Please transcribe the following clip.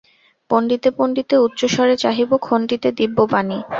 পণ্ডিতে পণ্ডিতে ঊর্ধ্বস্বরে চাহিব খণ্ডিতে দিব্য বাণী।